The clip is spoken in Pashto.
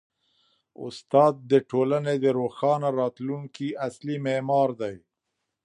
استاد د ټولني د روښانه راتلونکي اصلي معمار دی.